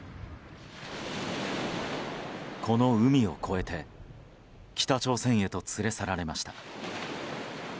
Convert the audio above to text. この海を越えて北朝鮮へと連れ去られました。